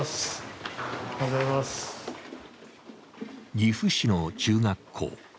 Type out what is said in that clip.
岐阜市の中学校。